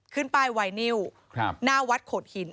ขึ้นป้ายไวนิวหน้าวัดโขดหิน